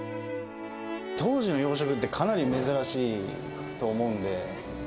当時の洋食ってかなり珍しいと思うんで。